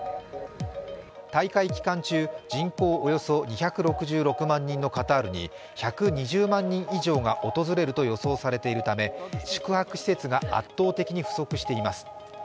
大会期間中、人口およそ２６６万人のカタールに１２０万人以上が訪れると予想されているため宿泊施設が圧倒的に不足しています。